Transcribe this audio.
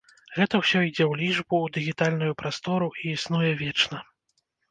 Гэта ўсё ідзе ў лічбу, у дыгітальную прастору, і існуе вечна.